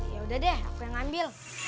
yaudah deh aku yang ambil